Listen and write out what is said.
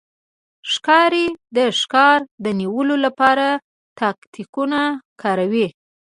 ښکاري د ښکار د نیولو لپاره تاکتیکونه کاروي.